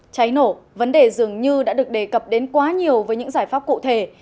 cháy nổ vấn đề dường như đã được đề cập đến quá nhiều với những giải pháp cụ thể